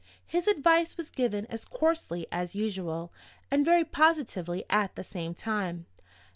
His advice was given as coarsely as usual, and very positively at the same time.